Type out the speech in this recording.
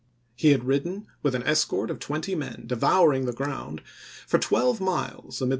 He had ridden, with an escort of twenty men, devouring the ground, for twelve miles amid the oct.